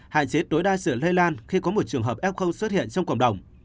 hạn chế tối đa sự lây lan khi có một trường hợp f xuất hiện trong cộng đồng